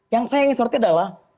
yang saya ingin sorti adalah